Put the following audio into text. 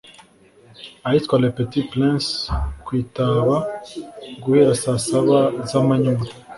ahitwa Le Petit Prince ku Itaba guhera saa saba z’amanywa